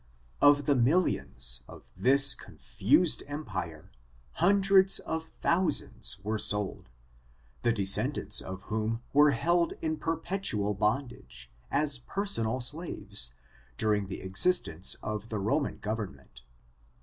Of the millions of this confused empire, hundreds of thousands were sold, the descendants of whom were held in perpetual bondage, as personal slaves, during the existence of the Roman government.